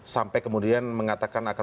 sampai kemudian mengatakan akan